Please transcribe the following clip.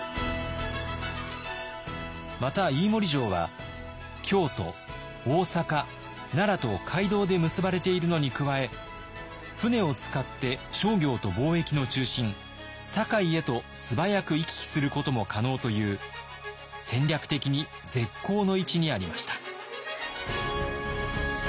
また飯盛城は京都大坂奈良と街道で結ばれているのに加え船を使って商業と貿易の中心堺へと素早く行き来することも可能という戦略的に絶好の位置にありました。